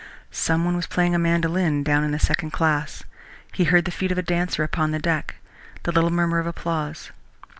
Some one was playing a mandolin down in the second class. He heard the feet of a dancer upon the deck, the little murmur of applause.